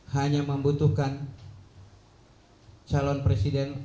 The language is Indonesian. hanya membutuhkan calon presiden